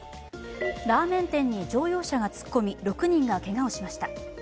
ラーメン店に乗用車が突っ込み、６人がけがをしました。